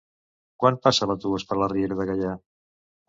Quan passa l'autobús per la Riera de Gaià?